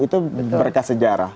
itu berkat sejarah